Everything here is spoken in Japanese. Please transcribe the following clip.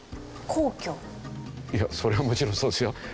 いやそれはもちろんそうですよ。